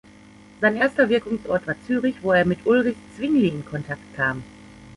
Sein erster Wirkungsort war Zürich, wo er mit Ulrich Zwingli in Kontakt kam.